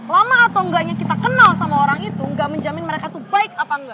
lama atau enggaknya kita kenal sama orang itu nggak menjamin mereka itu baik apa enggak